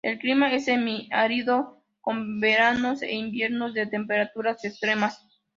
El clima es semi árido con veranos e inviernos de temperaturas extremas.